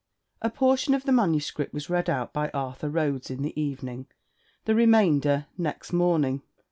A portion of the manuscript was read out by Arthur Rhodes in the evening; the remainder next morning.